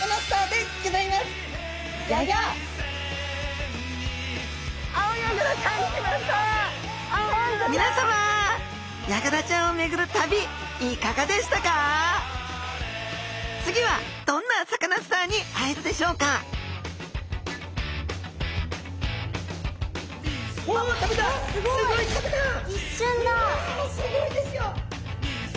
すギョいですよ！